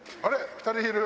２人いる。